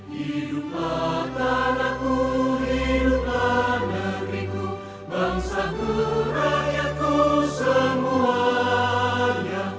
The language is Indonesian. hiduplah tanahku hiduplah negeriku bangsa ku rakyatku semuanya